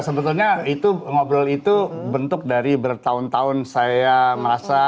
sebetulnya itu ngobrol itu bentuk dari bertahun tahun saya merasa